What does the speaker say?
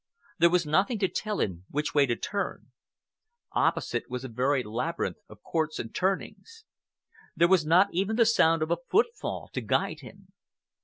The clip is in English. There was nothing to tell him which way to turn. Opposite was a very labyrinth of courts and turnings. There was not even the sound of a footfall to guide him.